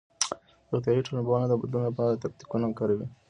روغتيائي ټولنپوهنه د بدلون لپاره تکتيکونه کاروي.